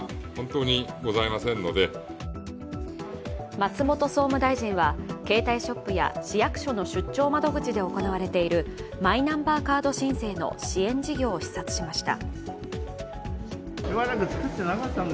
松本総務大臣は携帯ショップや市役所の出張窓口で行われているマイナンバーカード申請の支援事業を視察しました。